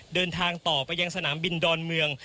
เดินทางต่อไปยังสนามบินดอนเมือง